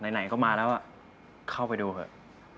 ไหนก็มาแล้วเข้าไปดูเถอะ